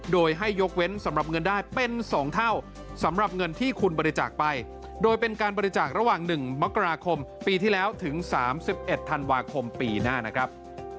โดยให้ยกเว้นสำหรับเงินได้เป็น๒เท่าสำหรับเงินที่คุณบริจาคไปโดยเป็นการบริจาคระหว่าง๑มกราคมปีที่แล้วถึง๓๑ธันวาคมปีหน้านะครับ